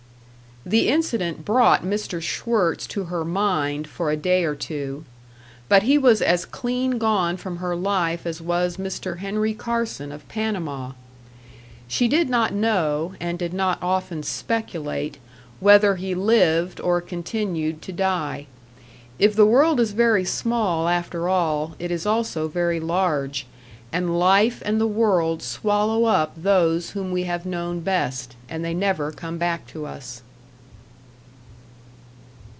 The incident brought Mr. Schwirtz to her mind for a day or two. But he was as clean gone from her life as was Mr. Henry Carson, of Panama. She did not know, and did not often speculate, whether he lived or continued to die. If the world is very small, after all, it is also very large, and life and the world swallow up those whom we have known best, and they never come back to us.